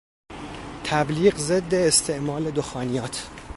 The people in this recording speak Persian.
تبلیغ ضد استعمال دخانیات